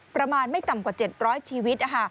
ประมาณไม่ต่ำกว่า๗๐๐ชีวิต